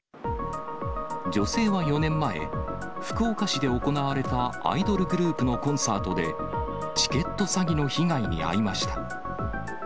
女性は４年前、福岡市で行われたアイドルグループのコンサートで、チケット詐欺の被害に遭いました。